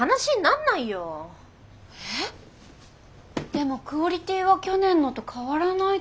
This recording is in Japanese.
でもクオリティーは去年のと変わらないと思いますけど。